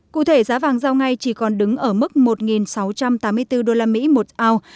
cụ thể giá vàng giao ngay chỉ còn đứng ở mức một sáu trăm tám mươi bốn usd một ao